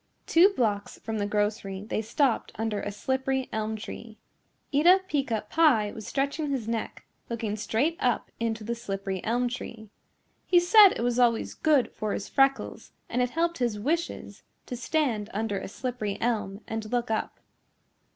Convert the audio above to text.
Two blocks from the grocery they stopped under a slippery elm tree. Eeta Peeca Pie was stretching his neck looking straight up into the slippery elm tree. He said it was always good for his freckles and it helped his wishes to stand under a slippery elm and look up.